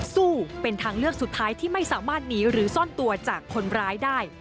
สู้เป็นทางเลือกสุดท้ายที่ไม่สามารถหนีหรือซ่อนตัวจากคนร้ายได้